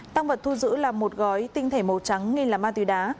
tăng vật thu giữ là một gói tinh thể màu trắng nghi là ma túy đá